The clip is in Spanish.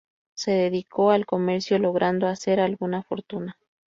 Se dedicó al comercio, logrando hacer alguna fortuna.